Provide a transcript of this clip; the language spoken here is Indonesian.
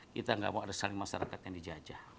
kita nggak mau ada saling masyarakat yang dijajah